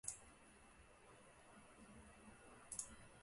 当我把手机语言设置成英文，整个手机都干净了